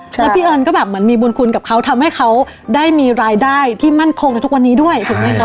แล้วพี่เอิญก็แบบเหมือนมีบุญคุณกับเขาทำให้เขาได้มีรายได้ที่มั่นคงในทุกวันนี้ด้วยถูกไหมคะ